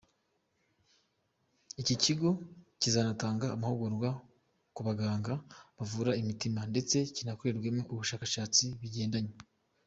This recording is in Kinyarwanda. Iki kigo kizanatanga amahugurwa ku baganga bavura umutima ndetse kinakorerwemo ubushakashatsi bigendanye”.